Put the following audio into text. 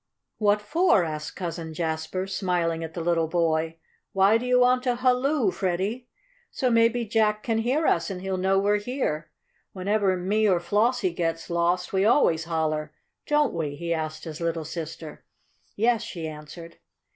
"What for?" asked Cousin Jasper, smiling at the little boy. "Why do you want to halloo, Freddie?" "So maybe Jack can hear us, and he'll know we're here. Whenever me or Flossie gets lost we always holler; don't we?" he asked his little sister. "Yes," she answered.